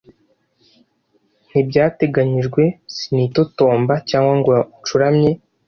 Nibyateganijwe sinitotomba, cyangwa ngo ncuramye;